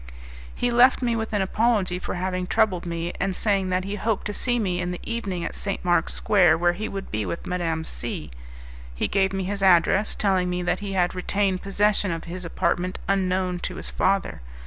He left me with an apology for having troubled me, and saying that he hoped to see me in the evening at St. Mark's Square, where he would be with Madame C , he gave me his address, telling me that he had retained possession of his apartment unknown to his father.